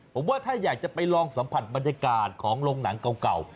ผมว่าถ้าอยากจะไปลองสัมผัสบรรยากาศของโรงหนังเก่า